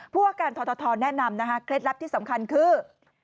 พวกการทอททอแนะนำเคล็ดลับที่สำคัญคือ